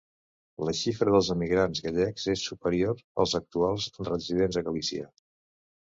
La xifra dels emigrats gallecs és superior als actuals residents a Galícia.